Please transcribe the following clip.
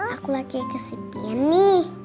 aku lagi kesepian nih